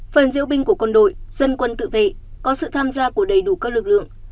phần diễu binh của quân đội dân quân tự vệ có sự tham gia của đầy đủ các lực lượng